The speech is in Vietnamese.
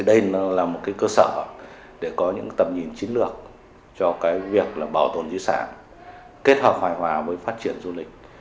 đây là một cơ sở để có những tầm nhìn chiến lược cho việc bảo tồn di sản kết hợp hài hòa với phát triển du lịch